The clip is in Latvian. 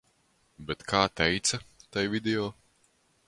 Bet kā teica tai video.